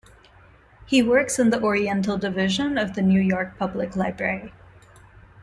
He works in the Oriental Division of the New York Public Library.